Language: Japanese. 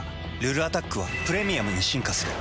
「ルルアタック」は「プレミアム」に進化する。